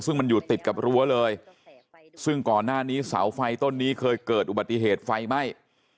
ซึ่งมันอยู่ติดกับรั้วเลยซึ่งก่อนหน้านี้เสาไฟต้นนี้เคยเกิดอุบัติเหตุไฟไหม้